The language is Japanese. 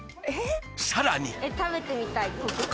さらに食べてみたい黒糖。